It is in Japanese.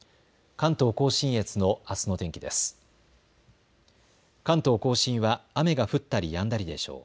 関東甲信は雨が降ったりやんだりでしょう。